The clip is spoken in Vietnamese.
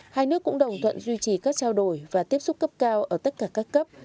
hai nước cũng đồng thuận duy trì các trao đổi và tiếp xúc cấp cao ở tất cả các cấp